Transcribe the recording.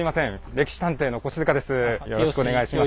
「歴史探偵」の越塚です。